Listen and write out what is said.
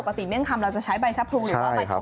ข้างบัวแห่งสันยินดีต้อนรับทุกท่านนะครับ